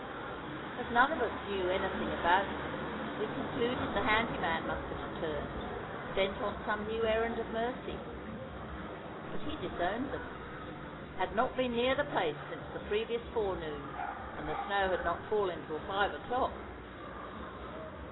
As none of us knew anything about them, we concluded the handy man must have returned, bent on some new errand of mercy. But he disowned them; had not been near the place since the previous forenoon, and the snow had not fallen till five o'clock.